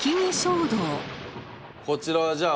こちらはじゃあ